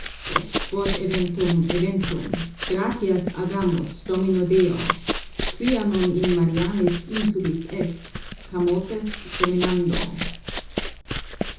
But quod eventum, eventum; gratias agamus Domino Deo quia non in Marianis Insulis es, camotes seminando."